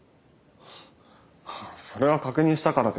それは確認したからで。